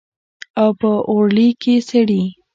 او په اوړي کښې سړې.